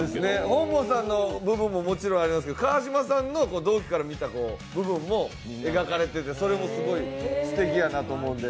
本坊さんの部分ももちろんあれなんですが、川島さんの同期から見た部分も書かれててそれもすごいすてきやなと思うんで。